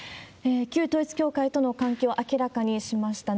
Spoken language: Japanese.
旧統一教会との関係を明らかにしました。